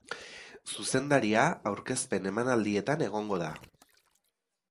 Zuzendaria aurkezpen-emanaldietan egongo da.